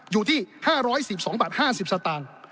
อยู่ที่๕๑๒๕๐บาท